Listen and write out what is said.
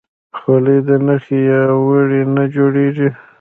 خولۍ د نخي یا وړۍ نه جوړیږي.